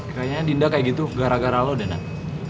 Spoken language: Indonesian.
kayaknya dinda kayak gitu gara gara lo deh nat